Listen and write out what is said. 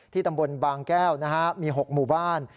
ที่ตำบลบางแก้วนะครับมี๖หมู่บ้าน